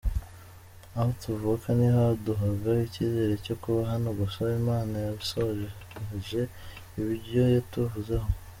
Aho tuvuka ntihaduhaga icyizere cyo kuba hano gusa Imana yasohoje ibyo yatuvuzeho.